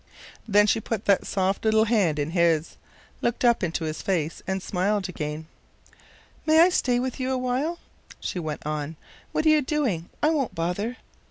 Then she put that soft little hand in his, looked up into his face, and smiled again. "May I stay with you a little while?" she went on. "What are you doing? I won't bother."